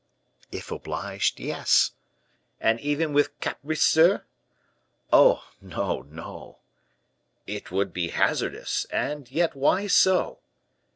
_" "If obliged, yes." "And even with capriceux." "Oh, no, no." "It would be hazardous, and yet why so?"